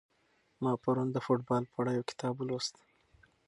ما پرون د فوټبال په اړه یو کتاب ولوست.